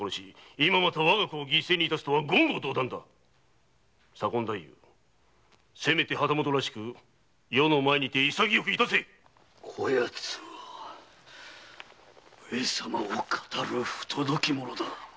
今また我が子を犠牲に致すとは言語道断せめて旗本らしく余の前にて潔く致せこやつは上様をかたる不届き者だ。